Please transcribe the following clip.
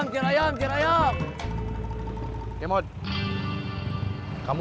tuhan menamparkan kamu